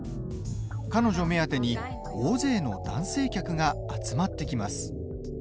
彼女目当てに大勢の男性客が集まって来ます。